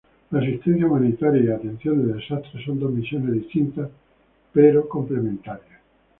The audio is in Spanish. La asistencia Humanitaria y Atención de Desastres son dos misiones distintas pero complementarias.